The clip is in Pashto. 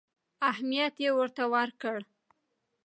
اهمیت یې ورته ورکړ.